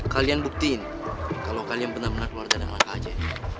kalian buktiin kalau kalian benar benar keluarga dan anak aja